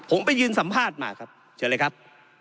ผมไปยืนสัมภาษณ์มาครับ